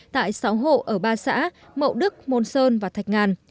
tại sáu hộ ở ba xã mậu đức môn sơn và thạch ngàn